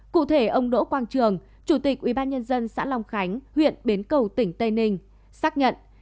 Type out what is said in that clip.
cụ thể ông đỗ quang trường chủ tịch ubnd xã long khánh huyện bến cầu tỉnh tây ninh xác nhận